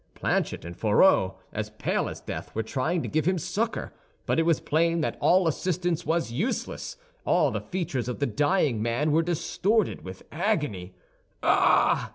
Planchet and Fourreau, as pale as death, were trying to give him succor; but it was plain that all assistance was useless—all the features of the dying man were distorted with agony. "Ah!"